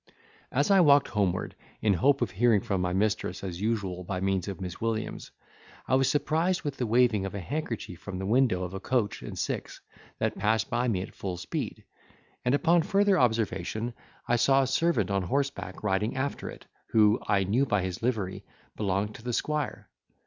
As I walked homeward, in hope of hearing from my mistress as usual by means of Miss Williams, I was surprised with the waving of a handkerchief from the window of a coach and six that passed by me at full speed: and upon further observation, I saw a servant on horseback riding after it, who, I knew by his livery, belonged to the squire.